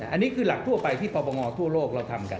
อันนี้คือหลักทั่วไปที่ปปงทั่วโลกเราทำกัน